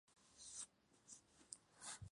El ataque nunca fue aclarado.